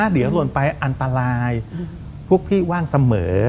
เดี๋ยวหล่นไปอันตรายพวกพี่ว่างเสมอ